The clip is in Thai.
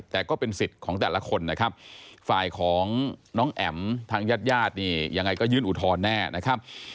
แต่ก็เป็นสิทธิ์ของแต่ละคนนะครับฝ่ายของน้องแอ๋มทางญาติญาตินี่ยังไงก็ยื่นอุทธรณ์แน่นะครับ